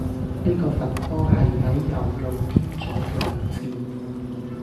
呢個罰波係喺右路偏左既位置